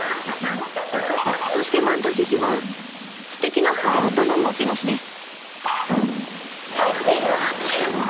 そしてマントヒヒはすてきなハートの持ち主です。